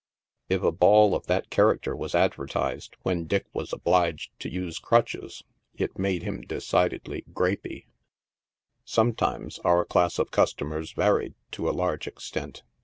If a ball of that character was advertised when Dick was obliged to use crutches, it made him decidedly " grapey." Some times our class of customers varied to a large extent.